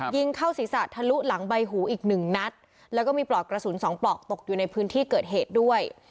ยิงเข้าศีรษะทะลุหลังใบหูอีกหนึ่งนัดแล้วก็มีปลอกกระสุนสองปลอกตกอยู่ในพื้นที่เกิดเหตุด้วย